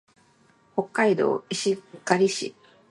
北海道石狩市